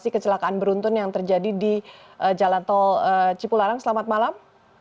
kecelakaan beruntun yang terjadi di jalan tol cipularang selamat malam